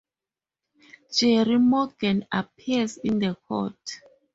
Jerry Morgan appears in the court.